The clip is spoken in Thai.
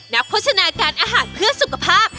นักโฟชนาการอาหารเพื่อสุขภาพ